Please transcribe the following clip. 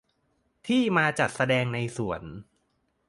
ที่มาจัดแสดงในส่วน